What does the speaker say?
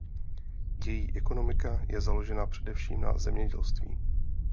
Její ekonomika je založena především na zemědělství.